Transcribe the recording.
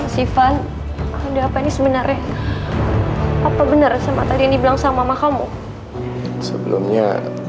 sivan ada apa ini sebenarnya apa bener sama tadi yang dibilang sama kamu sebelumnya